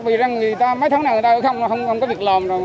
vì văn người ta mấy tháng nào người ta không có việc làm rồi